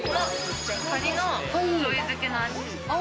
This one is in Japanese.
カニのしょうゆ漬けの味。